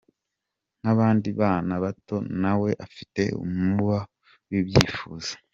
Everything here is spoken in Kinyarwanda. Nk’abandi bana bato, nawe afite umuba w’ibyifuzo.